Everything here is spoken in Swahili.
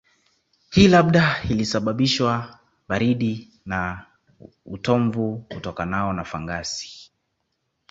Hii labda ilisababishwa baridi na na utomvu utokanao na fangasi